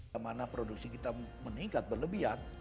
kemana produksi kita meningkat berlebihan